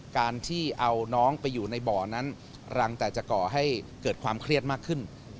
การที่เอาน้องไปอยู่ในบ่อนั้นรังแต่จะก่อให้เกิดความเครียดมากขึ้น